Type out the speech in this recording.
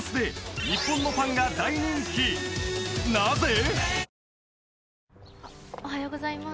なぜ？